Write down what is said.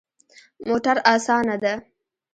موټر اسانه ده